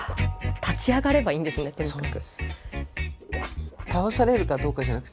立ち上がればいいんですねとにかく。